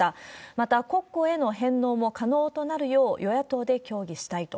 また、国庫への返納も可能となるよう、与野党で協議したいと。